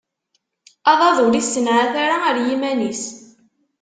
Aḍad ur issenɛat ara ar yiman-is.